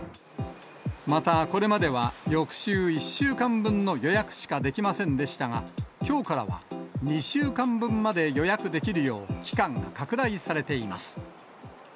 また、これまでは翌週１週間分の予約しかできませんでしたが、きょうからは２週間分まで予約できるよう、期間が拡大されています。